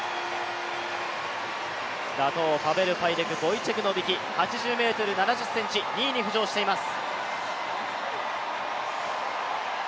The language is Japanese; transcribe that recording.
打倒、パベル・ファイデク、ノビキ、８０ｍ７０ｃｍ、２位に浮上しています。